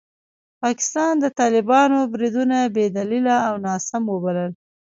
پاکستان د طالبانو بریدونه بې دلیله او ناسم وبلل.